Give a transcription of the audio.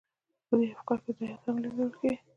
په دې کې افکار او هدایات هم لیږدول کیږي.